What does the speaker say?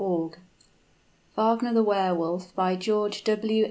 net WAGNER, THE WEHR WOLF. By GEORGE W.